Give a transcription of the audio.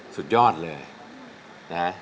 เป็นเพลง